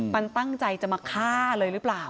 มันตั้งใจจะมาฆ่าเลยหรือเปล่า